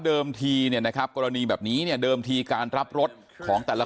ทีเนี่ยนะครับกรณีแบบนี้เนี่ยเดิมทีการรับรถของแต่ละ